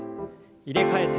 入れ替えて。